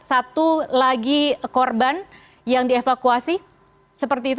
satu lagi korban yang dievakuasi seperti itu